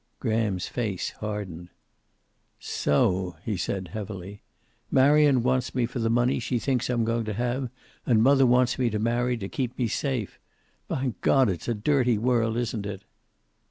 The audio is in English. Graham's face hardened. "So;" he said, heavily, "Marion wants me for the money she thinks I'm going to have, and mother wants me to marry to keep me safe! By God, it's a dirty world, isn't it?"